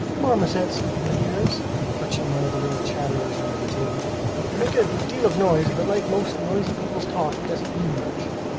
"Marmosets, my dears," clutching one of the little chatterers under the table; "they make a deal of noise, but like most noisy people's talk it doesn't mean much.